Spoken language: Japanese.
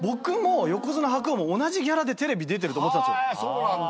そうなんだ。